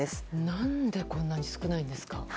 何で、こんなに少ないんですか。